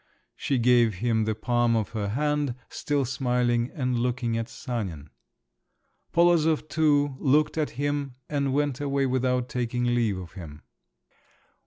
She gave him the palm of her hand, still smiling and looking at Sanin. Polozov, too, looked at him, and went away without taking leave of him.